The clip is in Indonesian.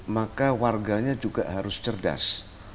maka warganya juga harus cerdas